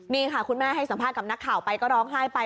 นี่ค่ะคุณแม่ให้สัมภาษณ์กับนักข่าวไปก็ร้องไห้ไป